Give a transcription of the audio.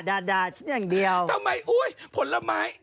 ทำไมโอ้ยผลไม้